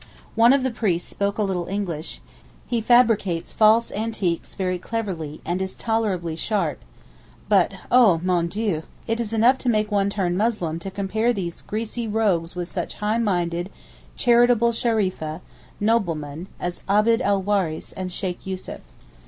One of the priests spoke a little English; he fabricates false antiques very cleverly, and is tolerably sharp; but, Oh mon Dieu, it is enough to make one turn Muslim to compare these greasy rogues with such high minded charitable shurafa (noblemen) as Abd el Waris and Sheykh Yussuf.